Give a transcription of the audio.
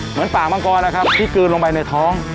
เหมือนปากมังกรนะครับที่กลืนลงไปในท้อง